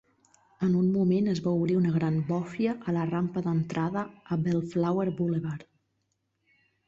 En un moment es va obrir una gran bòfia a la rampa d'entrada a Bellflower Boulevard.